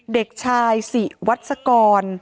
เด็กชายศิวัศกร